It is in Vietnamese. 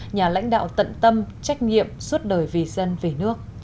nhà lãnh đạo tận tâm trách nhiệm suốt đời vì dân về nước